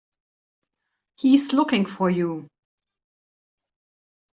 He's looking for you.